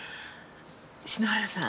篠原さん